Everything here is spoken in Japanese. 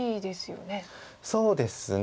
そうですね。